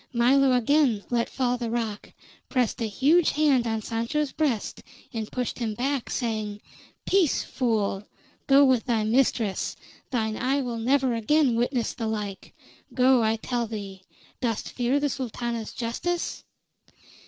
Milo again let fall the rock, pressed a huge hand on Sancho's breast, and pushed him back, saying: "Peace, fool! Go with thy mistress. Thine eye will never again witness the like. Go, I tell thee. Dost fear the Sultana's justice?"